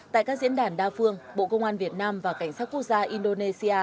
tại các diễn đàn đa phương bộ công an việt nam và cảnh sát quốc gia indonesia